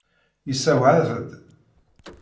Yessewɛed-d.